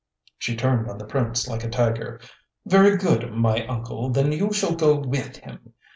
She turned on the Prince like a tiger. "Very good, my uncle, then you shall go with him.